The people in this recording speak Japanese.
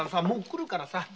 もう来るからさ。